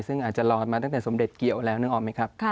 ซึ่งอาจจะรอกันมาตั้งแต่สมเด็จเกี่ยวแล้วนึกออกไหมครับ